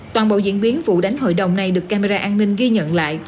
toàn bộ diễn biến vụ đánh hội đồng này được camera an ninh ghi nhận lại